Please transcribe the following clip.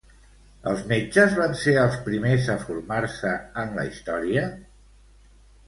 Els metges van ser els primers a formar-se en la història?